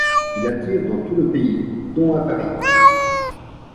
Il attire dans tout le pays, dont à Paris.